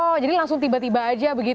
oh jadi langsung tiba tiba aja begitu